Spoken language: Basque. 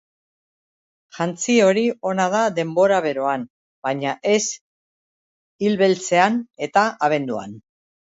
Jantzi hori ona da denbora beroan baina ez ilbeltzean eta abenduan.